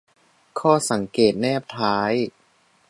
ข้อสังเกตแนบท้าย